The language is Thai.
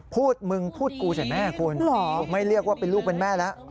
พูดมึงพูดกูใส่แม่คุณไม่เรียกว่าเป็นลูกเป็นแม่แล้ว